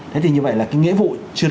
thế thì như vậy là cái nghĩa vụ